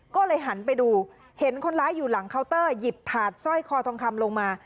ก็เลยหันไปดูเห็นคนร้ายอยู่หลังเคาน์เตอร์หยิบถาดสร้อยคอทองคำลงมา